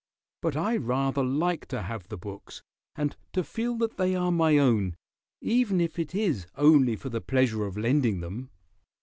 But I rather like to have the books, and to feel that they are my own, even if it is only for the pleasure of lending them."